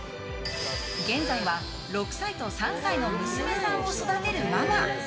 現在は６歳と３歳の娘さんを育てるママ。